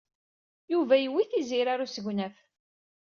Yuba yewwi Tiziri ɣer usegnaf.